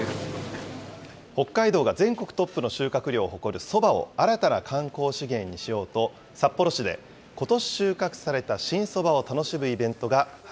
北海道が全国トップの収穫量を誇るそばを新たな観光資源にしようと、札幌市でことし収穫された新そばを楽しむイベントが始